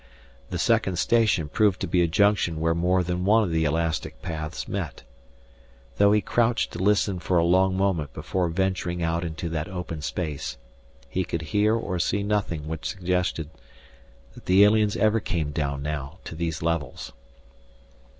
The second station proved to be a junction where more than one of the elastic paths met. Though he crouched to listen for a long moment before venturing out into that open space, he could hear or see nothing which suggested that the aliens ever came down now to these levels.